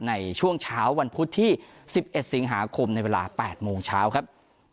ในช่วงเช้าวันพุธที่๑๑สิงหาคมในเวลา๘โมงเช้าครับ